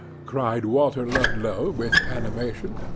cried Walter Ludlow, with animation.